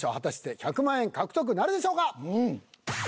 １００万円獲得なるでしょうか。